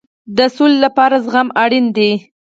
د سولې لپاره زغم اړین دی